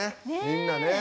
みんなね。